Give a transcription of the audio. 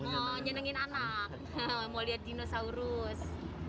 mau nyenengin anak mau lihat dinosaurus